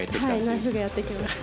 ナイフがやって来ました。